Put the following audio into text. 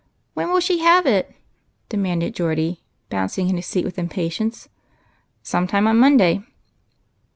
"When will she have it?" demanded Geordie, bouncing in his seat with impatience. " Sometime on Monday."